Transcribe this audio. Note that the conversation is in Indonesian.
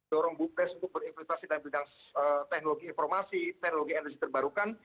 dorong bumdes untuk berimpleksitas di bidang teknologi informasi teknologi energi terbarukan